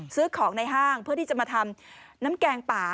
ซื้อของในห้างเพื่อที่จะมาทำน้ำแกงป่า